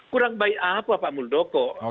kurang baik apa pak muldoko